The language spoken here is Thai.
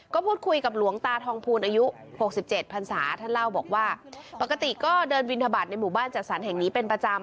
ก็พูดคุยกับหลวงตาทองภูลอายุ๖๗พันศาท่านเล่าบอกว่าปกติก็เดินบินทบาทในหมู่บ้านจัดสรรแห่งนี้เป็นประจำ